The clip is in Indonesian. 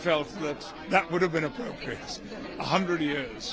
saya merasa itu akan menjadi sebuah penyelamat yang lebih baik